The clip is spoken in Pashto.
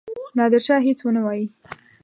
نادرشاه هیڅ ونه وايي.